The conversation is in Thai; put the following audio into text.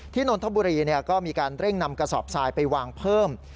นนทบุรีก็มีการเร่งนำกระสอบทรายไปวางเพิ่ม